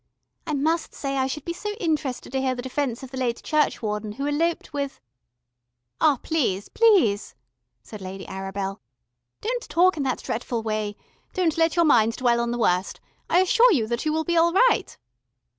I must say I should be so interested to hear the defence of the late churchwarden who eloped with " "Ah, please, please," said Lady Arabel, "don't talk in that dretful way. Don't let your mind dwell on the worst. I assure you that you will be all right."